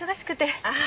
ああ。